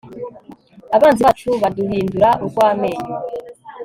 abanzi bacu baduhindura urw'amenyo